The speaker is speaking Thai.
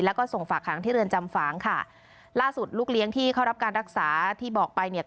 แล้วก็ส่งฝากหางที่เรือนจำฝางค่ะล่าสุดลูกเลี้ยงที่เข้ารับการรักษาที่บอกไปเนี่ย